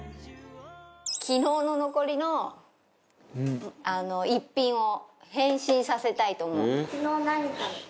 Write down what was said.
昨日の残りの１品を変身させたいと思う。